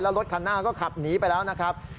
แล้วรถคันหน้าก็ขับหนีไปแล้วนะครับ